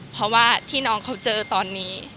เพราะว่าที่น้องเขาเจอตอนนี้